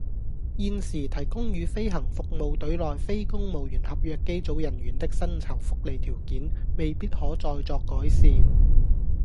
現時提供予飛行服務隊內非公務員合約機組人員的薪酬福利條件，未必可再作改善